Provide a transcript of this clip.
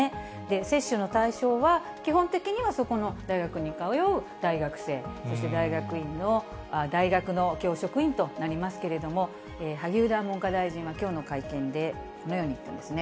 接種の対象は、基本的にはそこの大学に通う大学生、そして大学の教職員となりますけれども、萩生田文科大臣はきょうの会見で、このように言ってますね。